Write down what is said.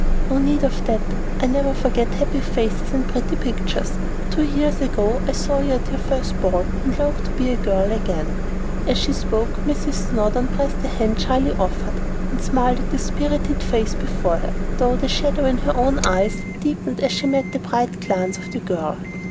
"No need of that; I never forget happy faces and pretty pictures. Two years ago I saw you at your first ball, and longed to be a girl again." As she spoke, Mrs. Snowdon pressed the hand shyly offered, and smiled at the spirited face before her, though the shadow in her own eyes deepened as she met the bright glance of the girl.